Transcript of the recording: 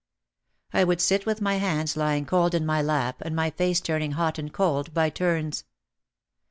I would sit with my hands lying cold in my lap and my face turning hot and cold by turns.